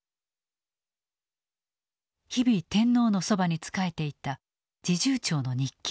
日々天皇のそばに仕えていた侍従長の日記だ。